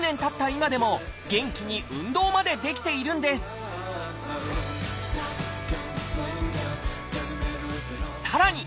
今でも元気に運動までできているんですさらに